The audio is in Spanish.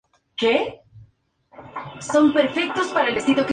A su regreso ficha por el Olympique de Safi.